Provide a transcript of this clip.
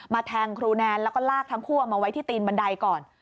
แทงครูแนนแล้วก็ลากทั้งคู่เอามาไว้ที่ตีนบันไดก่อน